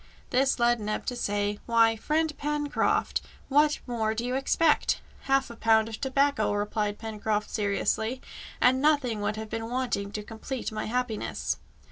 This led Neb to say, "Why, friend Pencroft, what more do you expect?" "Half a pound of tobacco," replied Pencroft seriously, "and nothing would have been wanting to complete my happiness."